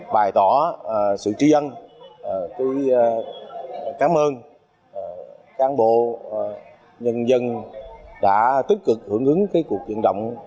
bài tỏ sự trí ân cảm ơn cán bộ nhân dân đã tích cực hưởng ứng cuộc vận động